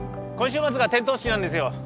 今週末が点灯式なんですよ。